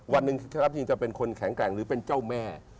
วันหนึ่งถ้ารับจริงจะเป็นคนแข็งแกร่งหรือเป็นเจ้าแม่